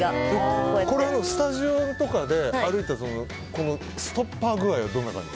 スタジオとかで歩いたらストッパー具合はどんな感じ？